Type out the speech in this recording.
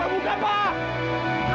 pak buka pak